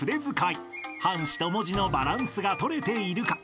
［半紙と文字のバランスが取れているか］